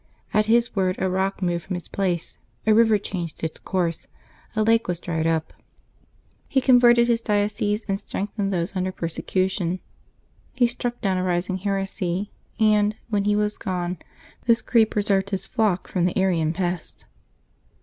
At his word, a rock moved from its place, a river changed its course, a lake was dried up. He converted his diocese, and strengthened those under per secution. He struck down a rising heresy; and, when he was gone, this creed preserved his flock from the Arian pest.